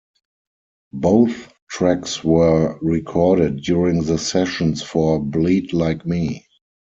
Both tracks were recorded during the sessions for "Bleed Like Me".